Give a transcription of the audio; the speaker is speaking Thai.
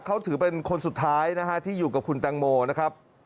เขาถือเป็นคนสุดท้ายนะฮะที่อยู่กับคุณแตงโมนะครับ